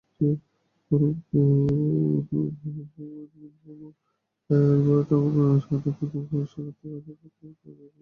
বো গু এবং Otto Braun এর হাতে যখন সত্যিকারের ক্ষমতা ছিল তখন কিছু ইতিবাচক প্রভাব লক্ষ্য করা গিয়েছিলো।